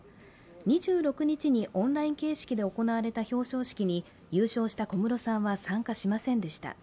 ２６日にオンライン形式で行われた表彰式に優勝した小室さんは参加しませんでした。